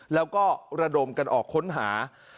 แล้วก็ระดมกันออกค้นหา